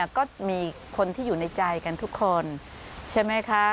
ก็มีคนที่อยู่ในใจกันทุกคนใช่ไหมคะ